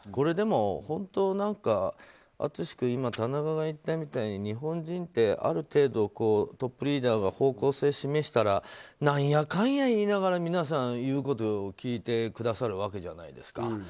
でも本当、淳君田中が言ったみたいに日本人ってある程度トップリーダーが方向性を示したら何やかんや言いながら皆さんいうことを聞いてくださるわけじゃないですか。